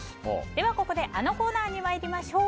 ここであのコーナーに参りましょう。